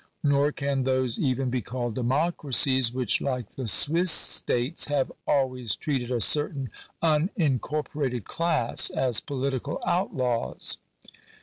Nor can those even be oalled democracies, which, like the Swiss states, have always treated a certain unincorpo rated class as political outlaws.